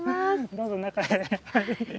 どうぞ中へ。